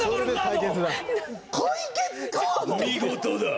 見事だ！